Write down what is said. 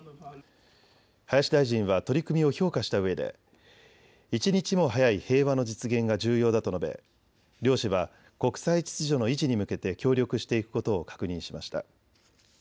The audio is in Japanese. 林大臣は取り組みを評価したうえで、一日も早い平和の実現が重要だと述べ、両氏は国際秩序の維持に向けて協力していくことを確認しました。